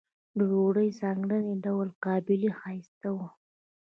ډوډۍ یې په ځانګړي ډول قابلي ښایسته وه.